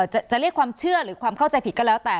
จะเรียกความเชื่อหรือความเข้าใจผิดก็แล้วแต่